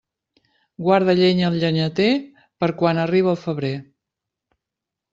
Guarda llenya el llenyater, per quan arribe el febrer.